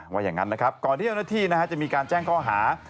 ว่าอย่างนั้นนะครับก่อนที่เจ้าหน้าที่จะมีการแจ้งข้อหา